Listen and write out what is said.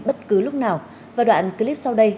bất cứ lúc nào và đoạn clip sau đây